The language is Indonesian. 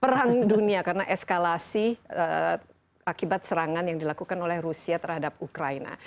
perang dunia karena eskalasi akibat serangan yang dilakukan oleh rusia terhadap ukraina